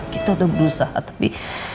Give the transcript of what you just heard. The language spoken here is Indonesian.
kita udah berusaha tapi